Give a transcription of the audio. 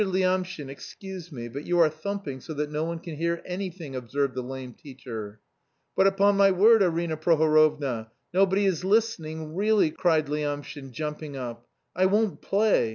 Lyamshin, excuse me, but you are thumping so that no one can hear anything," observed the lame teacher. "But, upon my word, Arina Prohorovna, nobody is listening, really!" cried Lyamshin, jumping up. "I won't play!